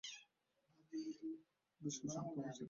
বেশ কিছু সমীক্ষা প্রকাশিত হয়েছে।